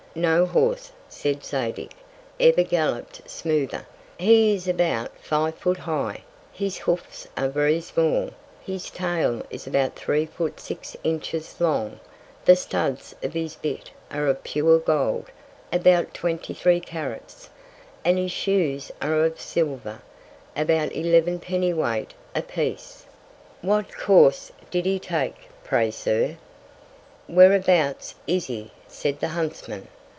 No Horse, said Zadig, ever gallop'd smoother; he is about five Foot high, his Hoofs are very small; his Tail is about three Foot six Inches long; the studs of his Bit are of pure Gold, about 23 Carats; and his Shoes are of Silver, about Eleven penny Weight a piece. What Course did he take, pray, Sir? Whereabouts is he, said the Huntsman?